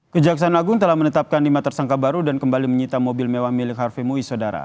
kejaksaan agung telah menetapkan lima tersangka baru dan kembali menyita mobil mewah milik harve mui saudara